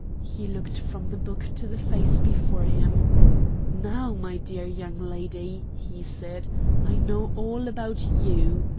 He looked from the book to the face before him. "Now, my dear young lady," he said, "I know all about YOU.